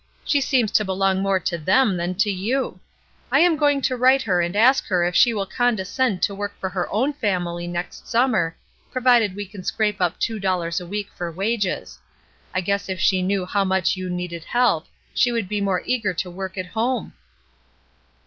"She seems to belong more to them than to you. Fm going to write and ask her if she will condescend to work for her own family next summer, pro 286 ESTER RIED'S NAMESAKE vided we can scrape up two dollars a week for wages. I guess if she knew how much you needed help, she would be more eager to work at home.'